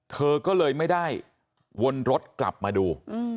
เธอก็เลยไม่ได้วนรถกลับมาดู